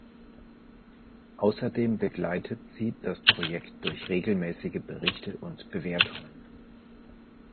Außerdem begleitet sie das Projekt durch regelmäßige Berichte und Bewertungen.